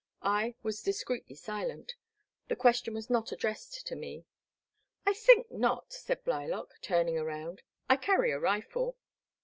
I was discreetly silent ; the question was not addressed to me. I think not," said Blylock turning around, '* I carry a rifle."